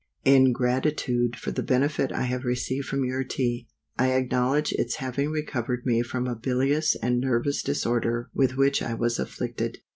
_ IN gratitude for the benefit I have received from your Tea, I acknowledge its having recovered me from a bilious and nervous disorder with which I was afflicted.